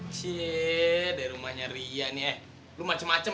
ciee dari rumahnya ria nih eh lo macem macem ya